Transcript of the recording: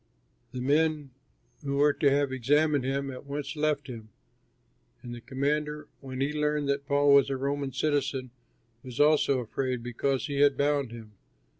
The men who were to have examined him, at once left him. And the commander, when he learned that Paul was a Roman citizen, was also afraid because he had bound him.